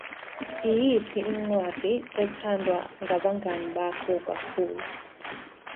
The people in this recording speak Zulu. Iyiphi incwadi ethandwa ngabangani bakho kakhulu?